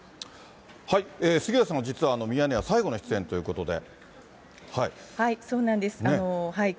杉上さんが実はミヤネ屋最後の出演ということで。